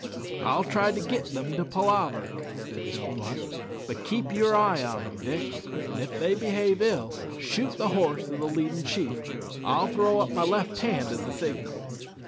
"I'll try to git them to palaver," said Joe Blunt; "but keep yer eye on 'em, Dick, an' if they behave ill, shoot the horse o' the leadin' chief. I'll throw up my left hand, as a signal.